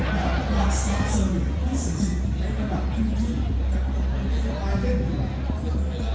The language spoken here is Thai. แบบกลักษณะเสมือนที่สุดที่ในระดับพิมพ์ที่จะปล่อยเล่นหลัก